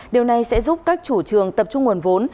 điều này sẽ giúp các chủ trường tập trung nguồn vốn